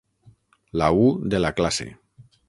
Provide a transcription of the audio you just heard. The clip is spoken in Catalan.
La u de la classe.